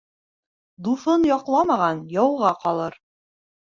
Дуҫын яҡламаған яуға ҡалыр.